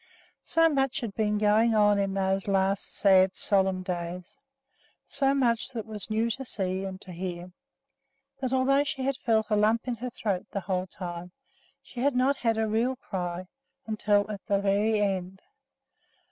So much had been going on in those last sad, solemn days, so much that was new to see and to hear, that although she had felt a lump in her throat the whole time, she had not had a real cry until at the very end.